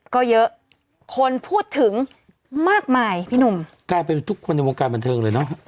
ก็เยอะคนพูดถึงมากมายพี่หนุ่มกลายเป็นทุกคนในวงการบันเทิงเลยเนอะ